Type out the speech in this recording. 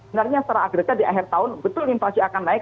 sebenarnya secara agregat di akhir tahun betul inflasi akan naik